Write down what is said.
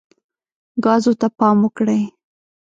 ګازو ته پام وکړئ.